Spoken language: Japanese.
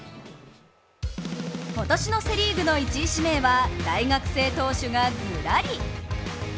今年のセ・リーグの１位指名は大学生投手がずらり。